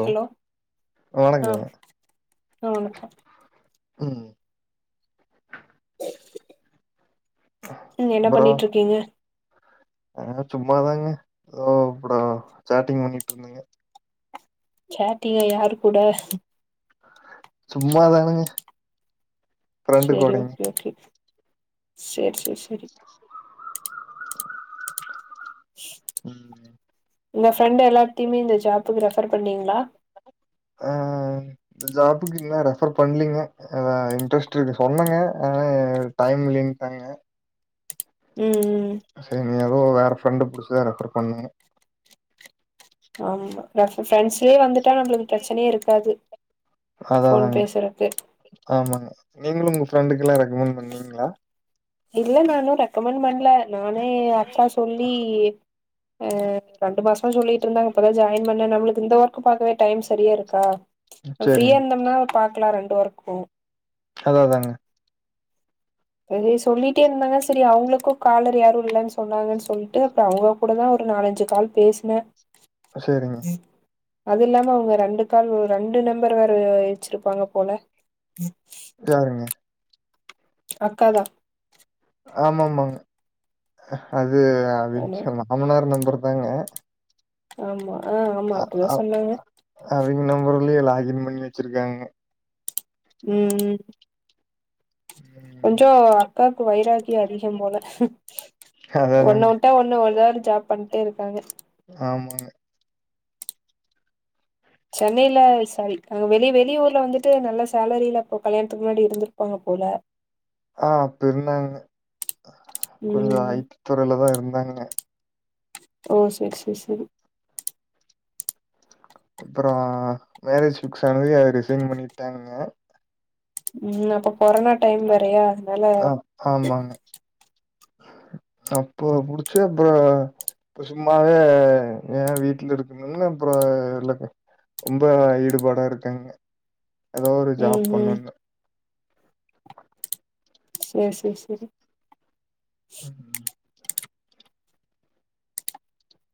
Hello ஆ வணக்கங்க ஆ வணக்கோ ம் ம் என்ன ப்ரோ பண்ணிட்டிருக்கீங்க ஆ சும்மாதாங்க ஆ அப்டோ சாட்டிங் பண்ணிட்டு இருந்தீங்க சேட்டிங்கா யார் கூட சும்மா தானுங்க செரி ஓகே ஓகே செரி செரி செரி ம் உங்க ஃப்ரெண்ட் எல்லாத்தையுமே இந்த ஜாப்புக்கு ரெஃபர் பண்ணீங்களா ஆ இந்த ஜாப்புக்கு இன்னு ரெஃபர் பண்லீங்க அதா இன்ட்ரெஸ்ட் இருக்கு சொன்னங்க ஆனா டைம் இல்லின்டாங்க ம், ம் ம் இனி எதோ வேற ஃப்ரெண்டு புடிச்சுதா ரெஃபர் பண்ணுங்க ஆமா ரெஃப ஃப்ரெண்ட்ஸ்லயே வந்துட்டா நம்மளுக்கு பிரச்சனயே இருக்காது அத ஃபோன் அதாங்க பேசுறக்கு ஆமாங்க நீங்களு உங்க ஃப்ரெண்டுக்குலா ரெக்கமெண்ட் பண்ணீங்ளா இல்ல நா இன்னு ரெக்கமெண்ட் பண்ல நானே அக்கா சொல்லி ஆ ரெண்டு மாச மா சொல்லிட்டுருந்தாங்க இப்பதா ஜாயின் பண்ண நம்மளுக்கு இந்த ஒர் க் பாக்கவே டைம் சரியா இருக்கா நம்ம சேரிங்க ஃப்ரீயா இருந்தோம்னா பாக்கலா ரெண் டு ஒர்க்கு அதா அதாங்க அதுவே சொல்லிட்டே இருந்தாங்க சேரி அவங்களுக்கு காலர் யாரு இல்லன்னு சொன்னாங்கன்னு சொல்லிட்டு அப்பறோ அவங்க கூடதா ஒரு நாலஞ்சு கால் பேசின சேரிங்க அது இல்லாம அவங்க ரெண்டு கால் ரெண்டு நம்பர் வேற வச்சிருப்பாங்க போல யாருங்க அக்காதா ஆமாமாங்க அது அது அவிங்க மாமனார் நம்பர் தாங்க ஆமா ஆ ஆமா அ அப்படிதா அ சொன்னாங்க அவிங்க நம்பர்லயு லாகி ன் பண்ணி வச்சிருக்காங்க ம், ம் ம் கொஞ்சோ அக்காவுக்கு வைராக்கிய அதிகம்போல அதா ஒண்ணு அதாங்க வுட்டா ஒண்ணு எதா ஒரு ஜாப் பண்ணிட்டே இருக்காங்க ஆமாங்க சென்னையில சாரி அங்க வெளி வெளியூர்ல வந்துட்டு நல்லா சேலரியில அப்ப கல்யாணத்துக்கு முன்னாடி இருந்திருப்பாங்க போல ஆ அப்பிர்ந்தாங்கே கொஞ்சோ ஐ ம் டி துறைலேதா இருந்தாங்கே ஓ செர் செர் செரி அப்பறோ மேரேஜ் பிக்ஸ் ஆனதுவே ரிசைன் பண்ணிட்டாங்ககே உம் அப்ப [unintelligible] கொரோனா டைம் வேரையா அதனால ஆ ஆமாங்க அப்போ புடிச்சு அப்புற சும்மாவே ஏன் வீட்டுல இருக்கணும்னு அப்புற இல்ல ரொம்ப ஈடுபாடா இருக்கேங்க ஏதோ ஒரு ம் ஜாப் ம் பண்ணணும் சரி சரி சரி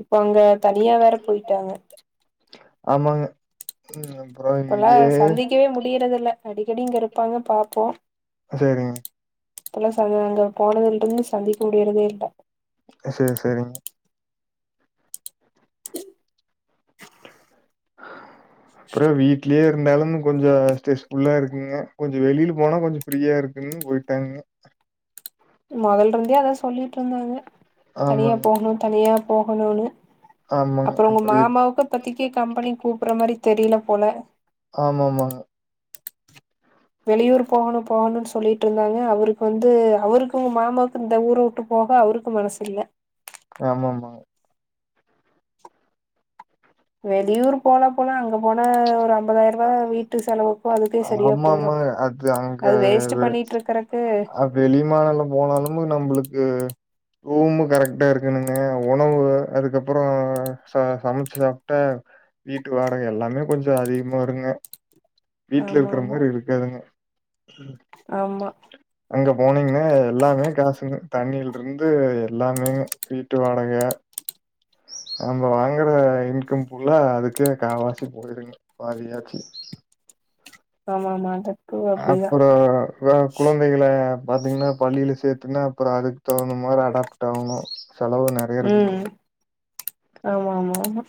இப்போ அங்க தனியா வேற போயிட்டாங்க ஆமாங்க உம் இப்பல்லாம் சந்திக்கவே முடியறது இல்ல அடிக்கடி இங்க இருப்பாங்க பார்ப்போம் சரிங்க இப்பல்லா ச அங்க போனதுல இருந்து சந்திக்க முடியறதே இல்லே சேரி சேரிங்க அப்புறம் வீட்லயே இருந்தாலும் கொஞ்சம் ஸ்ட்ரெஸ் ஃபுல்லா இருக்குங்க கொஞ்சம் வெளியில போனா கொஞ்சம் ஃப்ரீயா இருக்குன்னு போயிட்டாங்க மொதல்ல இருந்தே அத சொல்லிட்டு இருந்தாங்க தனியா ஆமாங்க போகணு தனியா போகனுனு அப்றோ ஆமாங்க உங்க புரியுது மாமாவுக்கு இப்பத்திக்கு கம்பெனிக்கு கூப்பர்ற மாரி தெரில போல ஆமாமாங்க வெளியூர் போகணு போகணுனு சொல்லிட்டு இருந்தாங்க அவருக்கு வந்து அவருக்கு உங்க மாமாவுக்கு இந்த ஊர விட்டு போக அவருக்கு மனசு இல்ல ஆமாமா வெளியூர் போலா போலா அங்க போன ஒரு ஐம்பதாயிர ரூபா வீட்டு செலவுக்கு அதுக்கே சரியா போயிரு ஆமாமாங்க அது அங்க அது வேஸ்ட் வெ பண்ணிட்டு இருக்கறக்கு வெளிமானிலம் போனாலு நம்ளு க்கு ரூமு கரெக்டா இருக்கணுங்க உணவு அதுக்கப்பறோ ச சமச்சு சாப்டா வீட்டு வாடக எல்லாமே கொஞ்சோ அதி வருங்க வீட்ல ஆமா இருக்குற ஆமா மாதிரி இருக்காதுங்க ஆமா அங்க போனீங்கன்னா எல்லாமே காசுங்கு தண்ணில இருந்து எல்லாமே வீட்டு வாடகை நம்ம வாங்குற இன்கம் ஃபுல்லா அதுக்கே காவாசி போய்ருங் பாதியாச்சு ஆமா ஆமாங்க அப்புறம் வே குழந்தைகளை பாத்தீங்கன்னா பள்ளில சேர்த்துன்னா அப்புறம் அதுக்கு தகுந்த மாரி அடாப்ட் ஆகணு உம் ஆமா ஆமா ஆமா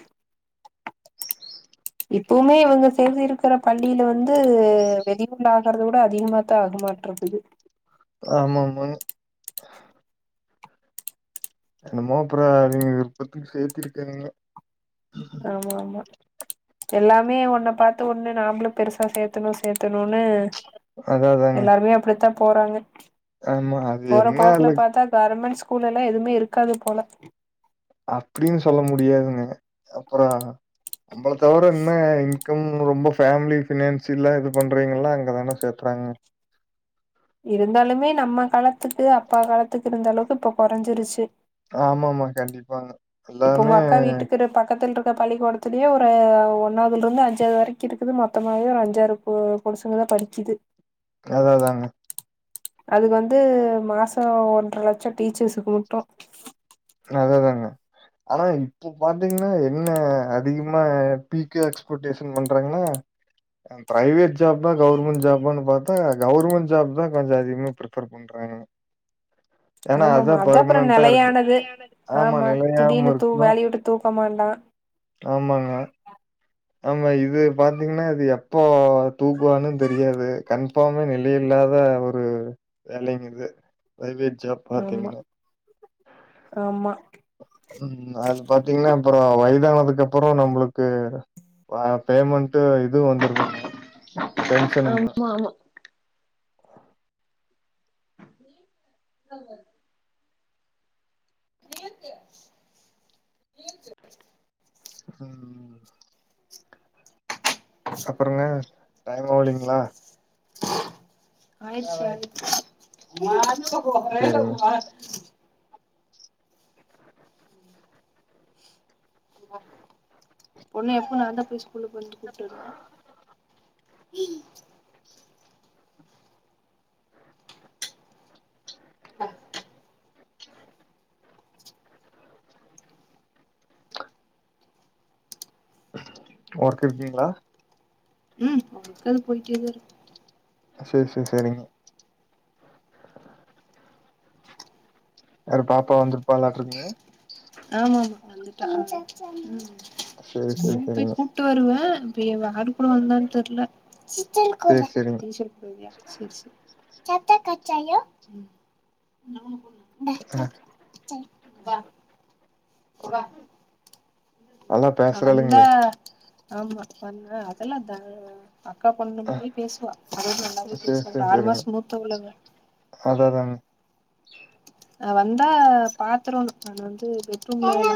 இப்பவுமே இவுங்க சேர்ந்து இருக்கிற பள்ளில வந்து [unintelligible] கூட அதிகமா தா ஆகுமா [unintelligible] ஆமா ஆமாங் என்னமோ அப்புறம் அவங்கவிருபத்துக்கு சேர்த்தி இருக்கங்க ஆமா ஆமா எல்லாமே ஒன்ன பாத்து ஒண்ணு நாமளு பெருசா சேத்தணு சேத்தணு னும்னு அதான் அதாங்க. எல்லாருமே அப்டித்தா போறாங்க ஆமா. அது போற என்ன போக்குல அதுல பாத்தா கார்மெண்ட் ஸ் கூல்லெல்லாம் எதுமே இருக்காது போல அப்டின்னு சொல்ல முடியாதுங்க அப்புறம் நம்பள தவிர இன்னு ரொம்ப பேமிலி பினான்சில்லா இது பண்றாங்கல்லா அங்கதான சேத்துறாங்க இருந்தாலுமே நம்ம காலத்துக்கு அப்பா காலத்துக்கு இருந்த அளவுக்கு இப்ப குறஞ்சுருச்சு ஆமா ஆமா கண்டிப்பாங்க இப்ப உங்க எல்லாமே அக்கா வீட்டுக்குகிட பக்கத்து இரு இந்த பள்ளிக்கூடத்துலயு ஒரு ஒன்னாவுதுல இருந்து அஞ்சாவது வரக்கு இருக்குது மொத்தமாவே ஒரு அஞ்சாறு பொடுசுங்கதா படிக்குது அதாதாங்க அது வந்து மாசோ ஒன்றர லட்சோ டீச்சர்ஸுக்கு மட்டு அத தாங்க ஆனா இப்போ பாத்தீங்னா என்ன அதிகமா பீக்கு எக்ஸ்பெக்டேஷன் பண்றாங்களா ப்ரைவேட் ஜாப் தா கவுர்மெண்ட் ஜாபானு பாத்தா கவுர்மெண்ட் ஜாப் தா கொஞ்சோ அதிகமா பிரிஃபர் பண்றாங்க ஏன்னா, ஆமாமா அதான் அதா அப்றோ பெர்மனன்ட்டா கொஞ்சம் இருக்கு. கொஞ்சம் நலையானது ஆமா நிலையாவும் திடீனு தூ இருக்கும். வலைய விட்டு தூ போமாண்டா ஆமாங்க. ஆமா இது பாத்தீங்னா இது எப்போ தூக்குவான்னு தெரியாது கன்பாமே நிலையில்லாத ஒரு வேலைங்க இது வைவே ஜாப் பாத்தீங்கனா ஆம்மா ம் அது பாத்தீங்னா அப்றோ வயதானதுக்கு அப்பறோ நம்மளுக்கு வா பேமெண்ட் டு இது வந்துருதுங்க பென்ஷனுங்க ஆமா [unintelligible] நீத்து நீக்கு [unintelligible] ம் அப்றங்க டைம் ஓடிங்ளா ஆயிர்ச்சி ஆயிர்ச்சி சேரிங்க [unintelligible] ஒ [unintelligible] பொண்ணு எப்போ நா தா போய் ஸ்கூல்ல வந்து கூட்டுவருவ [inaudible] ஒர்க் இருக்கீங்ளா ம் ஒர்க் அது போய்ட்டேதா இருக் சேர் சேர் சேரிங்க வற பாப்பா வந்துருப்பாளாட்ருக்குங்க ஆமாமா [inaudible] சேரி சேரி ஸ்கூல் பேய் சேரிங்க கூட்டு வருவ இப்ப இவ யார் கூட வந்தான் தெர்ல சேரி சேரிங்க டிச்சர் குடுயா சேர் சேர் கத்த கச்சாயோ ஆ [unintelligible] வா வா நல்லா அ வந்தா பேசுறாளுங்களே ஆமா வந்தா அதெல்லா தா அக்கா பொண்ணு ஆ மாரியே பேசுவா அ நல்லாவே சேரி பேசுவா ஒரு சேரி ஆறு சேரிங்க மாசோ மூத்தவள்ள அவ அதா அதாங்க வந்தா பாத்துரோ நா வந்து பெட்ரூம்ல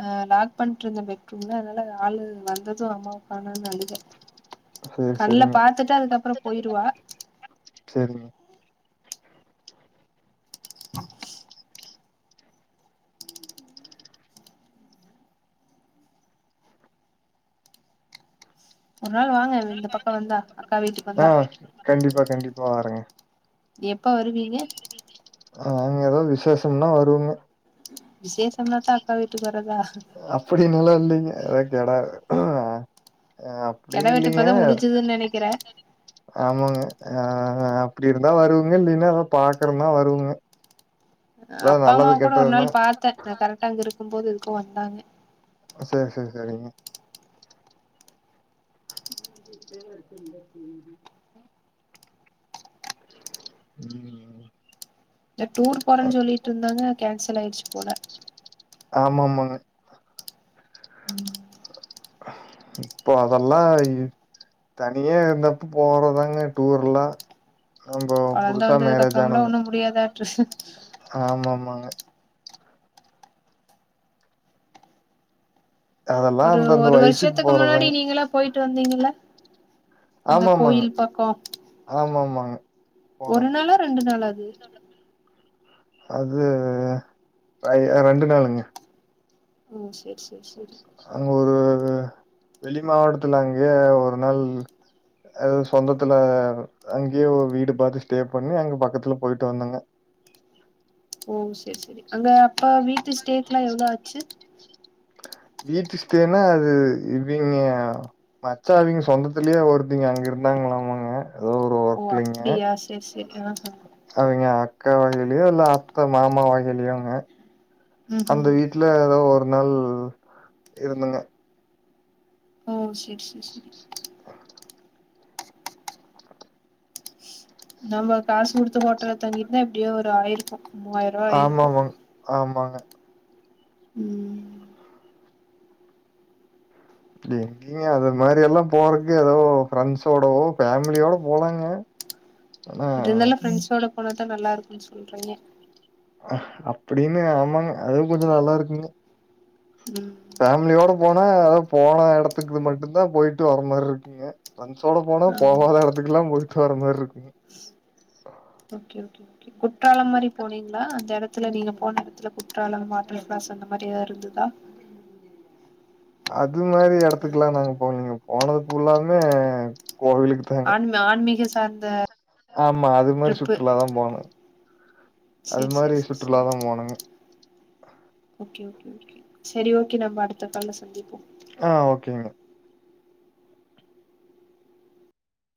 ஆ லாக் பண்ட்டு இருந்த பெட்ரூம்ல அதனால ஆளு வந்தது அம்மாவுக்கானுன் அழுக சேரி கண்ணல சேரிங்க பாத்துட்டா அதுக்கப்றோ போயிருவா சேரிங்க ஒரு நாள் வாங்க இந்த பக்கோ வந்தா அக்கா வீட்டுக்கு ஆ வந்தா கண்டிப்பா கண்டிப்பா வரேங்க எப்ப வருவீங்க அங்க ஏதாது விசேஷம்னா வருவேங்க விசேஷம்னா தா அக்கா விட்டுக்குவரதா அப்டினுலா இல்லைங்க எத கேடா கெட அப்டின்னு வெட்டு இல்லலைங்க இப்பதா முடிஞ்சுதுன்னு நெனைக்கிறே ஆமாங்க ஆஹ் அப்டி இருந்தா வருவேங்க இல்லைன்னா அத பாக்குறன வருவேங்க அப்பா அம்மாவ கூட ஒரு நாள் பாத்தே நா கரெக்டா அங்க இருக்கும்போது போ தங்க சேரி சேரி சரிங்க [inaudible] [inaudible] இந்த டூர் போறேன்னு சொல்லிட்ருந்தாங்க கேன்சல் ஆயிட்ச்சு போல ஆமா ஆமாங்க உம் இப்ப அதெல்லா தனிய இருந்தப்ப போறதாங்க டூர்லா ஆம்ப கொழந்த புதுசா வந்ததுக்கு மேரேஜ் அப்புறம்லா ஆனவங்க ஒண்ணும் முடியாதாட்டு ஆமா ஆமாங்க அ அதெல்லா ஒரு அந்தந்த ஒரு வயசுக்கு வர்ஷத்துக்கு முன்னாடி போறதாங்க நீங்களா போயிட்டு வந்தீங்கல்ல அந்த ஆமா ஆமாங்க கோயில் பக்கோ ஆமா ஆமாங்க ஒரு போனங்க நாளா ரெண்டு நாளா அது அது பை ரெண்டு நாளுங்க ம் சேர் சேர் செரி அங்க ஒரு வெளி மாவட்டத்துல அங்க ஒரு நாள் அது சொந்தத்துல அங்கயே வீடு பாத்து ஸ்டே பண்ணி அங்க பக்கத்துல பொயிட்டு வந்தங்க ஓ செரி செரி அங்க அப்ப வீட்டு ஸ்டேக்லா எவ்ளோ ஆச்சு வீட்டு ஸ்ட்டேனா அது இவிங்க மச்சா அவிங்க சொந்தத்துலயே ஒருத்தீங்க அங்க இருந்தாங்களாமாங்க ஏதோ ஒரு ஓ ஒர்க்லைங்க அப்டியா சேர் சேரி ஆ அ க்கா வகைலயோ இல்ல அத்த மாமா வகைலயோங்க ம் அந்த ம் வீட்ல ஏதோ ஒர் நாள் இருந்துங்க ஓ சே ர் சே சேரி நம்ப காசு குடுத்து ஹோட்டல்ல தங்கிருந்தா எப்டியோ ஒரு ஆயிருக்கு மூவாயிரூவா ஆயிருக்கு ஆமாமாங் ஆமாங் அ ம் இப்டி எங்கிங்க அது மாரி எல்லா போறக்கு ஏதோ ஃப்ரெண்ட்ஸோடோவோ ஃபேமிலியோட போலாங்க ஆனா இருந்தாலு ஃப்ரரெண்ட்ஸோட போனத்தா நல்லா இருக்குன் சொ ல்றாங்க அ அப்டின்னு ஆமாங்க அதுவு கொஞ்சொ நல்லா இருக்குங்க ம் ஃபேம்லியோட போனா எதாவ் போன எடத்துக்குது மட்டுந்தா போய்ட்டு வர மாரி இருக்குங்க ஃப்ரெண்ட்ஸோட போனா ஆமா போகாத எடத்துக்குல்லா போயிட்டு வர மாற்ருக் ஓகே ஓகே ஓகே குற்றாலம் மாரி போனீங்ளா அந்த எடத்துல நீங்க போன எடத்ல குற்றால வாட்டர் ஃக்ப்ளாஸ் அந்த மாரி எதாவ்து இருந்ததா அத் து மாரி எடத்துக்குலா நாங்க போலீங்க போனது ஃபுல்லாவ்மே ஆன்ம ஆன்மீக சு த அந்த ஆமா அது மாரி சுற்றுலா தா போனு அது செரி செரி மாரி செரி சுற்றுலா செரி தா போனுங்க ஓகே ஓகே ஓகே சேரி ஓகே நம்ம அடுத்த கால்ல சந்திப்போ ஆ ஓகேங்க